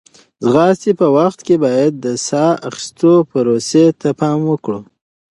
د ځغاستې په وخت کې باید د ساه اخیستو پروسې ته پام وکړو.